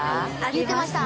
言ってました。